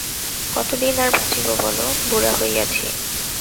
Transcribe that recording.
কত দিন আর বাঁচিব বল, বুড়া হইয়াছি!